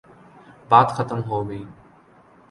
بات ختم ہو گئی۔